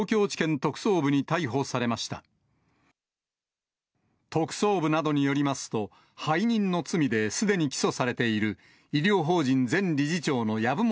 特捜部などによりますと、背任の罪ですでに起訴されている医療法人前理事長の籔本